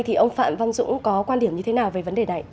thì ông phạm văn dũng có quan điểm như thế nào về vấn đề này